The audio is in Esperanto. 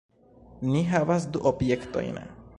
Ni havas du objektojn.